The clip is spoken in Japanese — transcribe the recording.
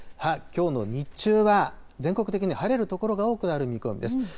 きょうの日中は全国的に晴れる所が多くなる見込みです。